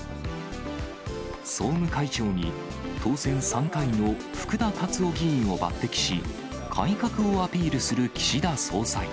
総務会長に当選３回の福田達夫議員を抜てきし、改革をアピールする岸田総裁。